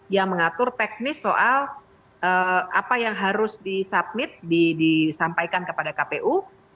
yang mengatur teknis soal apa yang harus disubmit disampaikan kepada kpu